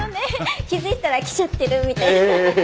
気付いたら来ちゃってるみたいな。